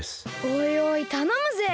おいおいたのむぜ。